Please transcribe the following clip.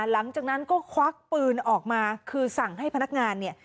หลังจากนั้นก็ควักปืนออกมาคือสั่งให้พนักงานเนี่ย